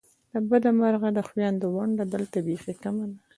د بده مرغه د خوېندو ونډه دلته بیخې کمه ده !